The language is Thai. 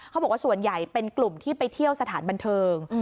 เขาบอกว่าส่วนใหญ่เป็นกลุ่มที่ไปเที่ยวสถานบันเทิง